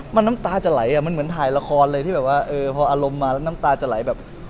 มันน้ำตาจะไหลอ่ะมันเหมือนถ่ายละครเลยที่แบบว่าเออพออารมณ์มาแล้วน้ำตาจะไหลแบบ